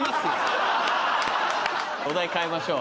お題変えましょう。